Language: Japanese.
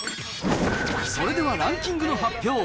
それではランキングの発表。